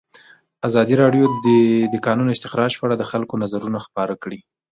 ازادي راډیو د د کانونو استخراج په اړه د خلکو نظرونه خپاره کړي.